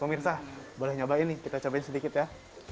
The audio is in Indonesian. pemirsa boleh nyobain nih kita cobain sedikit ya